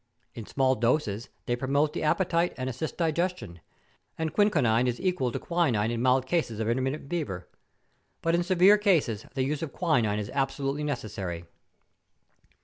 In small doses they promote the ap¬ petite and assist digestion; and chinchonine is equal to quinine in mild cases of intermittent fever; but in severe cases the use of quinine is absolutely ne¬ cessary.